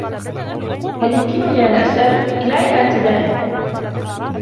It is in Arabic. هل يمكنني أن أسأل, إلى أين أنتَ ذاهب ؟